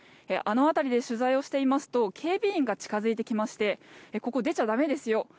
あの辺りで取材をしていますと警備員が近付いてきましてここを出ちゃ駄目ですよ